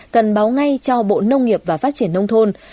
cần báo ngay cho bộ nông nghiệp và phát triển nông thôn